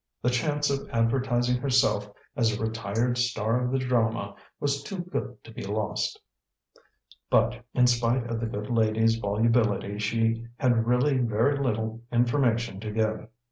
The chance of advertising herself as a retired star of the drama was too good to be lost. But in spite of the good lady's volubility, she had really very little information to give.